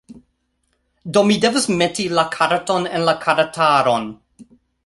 Do, mi devas meti la karton en la kartaron